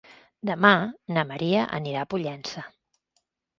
Demà na Maria anirà a Pollença.